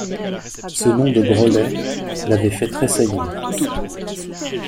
Ce nom de Grollet l'avait fait tressaillir.